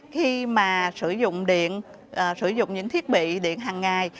khi mà sử dụng điện sử dụng những thiết bị điện hàng ngày